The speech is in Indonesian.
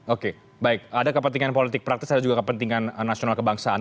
oke baik ada kepentingan politik praktis ada juga kepentingan nasional kebangsaan